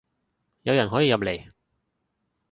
有人可以入嚟